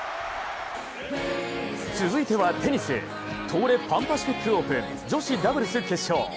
続いてはテニス東レパンパシフィックオープン女子ダブルス決勝。